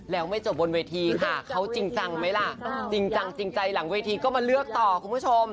แล้วไม่จบบนเวทีค่ะเขาจริงจังไหมล่ะจริงจังจริงใจหลังเวทีก็มาเลือกต่อคุณผู้ชม